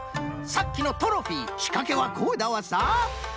さっきのトロフィーしかけはこうだわさ。